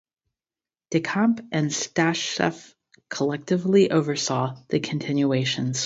De Camp and Stasheff collectively oversaw the continuations.